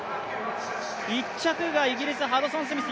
１着がイギリス、ハドソンスミス